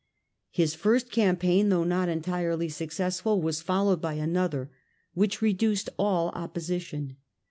His first campaign, though not entirely successful, was followed by another which reduced all opposition.